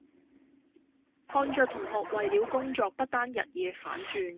看著同學為了工作不單日夜反轉